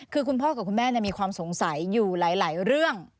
คือคุณพ่อกับคุณแม่มีความสงสัยอยู่หลายเรื่อง